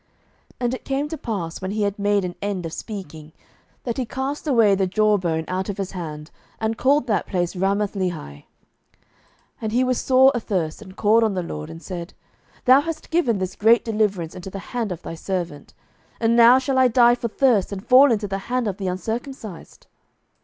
07:015:017 And it came to pass, when he had made an end of speaking, that he cast away the jawbone out of his hand, and called that place Ramathlehi. 07:015:018 And he was sore athirst, and called on the LORD, and said, Thou hast given this great deliverance into the hand of thy servant: and now shall I die for thirst, and fall into the hand of the uncircumcised?